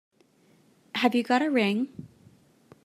Have you got a ring?